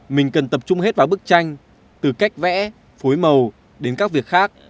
mình cần tập trung hết vào bức tranh từ cách vẽ phối màu đến các việc khác